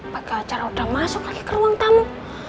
pakai acara udah masuk lagi ke ruang tamu